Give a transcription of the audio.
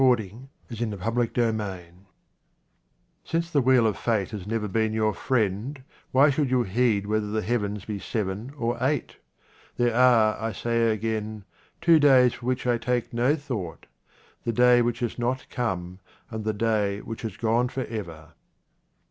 3° QUATRAINS OF OMAR KHAYYAM Since the wheel of fate has never been your friend, why should you heed whether the heavens be seven or eight ? There are, I say again, two days for which I take no thought — the day which has not come, and the day which has gone for ever.